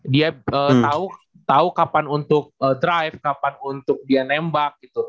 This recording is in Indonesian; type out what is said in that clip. dia tahu kapan untuk drive kapan untuk dia nembak gitu